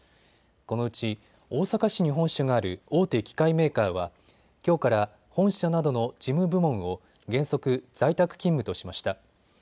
このうち大阪市に本社がある大手機械メーカーはきょうから本社などの事務部門を原則、在宅勤務としました。